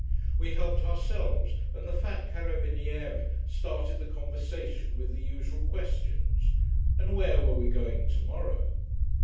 We helped ourselves, and the fat carabiniere started the conversation with the usual questions and where were we going tomorrow?